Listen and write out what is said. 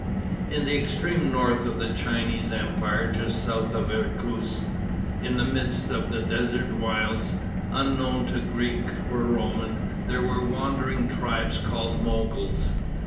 In the extreme north of the Chinese empire, just south of Irkoutsk, in the midst of desert wilds, unknown to Greek or Roman, there were wandering tribes called Mogols.